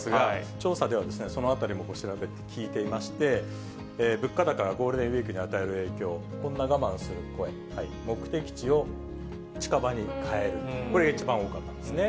調査ではそのあたりも聞いていまして、物価高がゴールデンウィークに与える影響、こんな我慢する声、目的地を近場に変える、これが一番多かったですね。